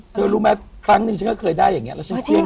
เธอรู้ไหมครั้งหนึ่งฉันก็เคยได้อย่างเนี่ย